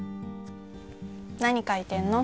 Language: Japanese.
何書いてんの？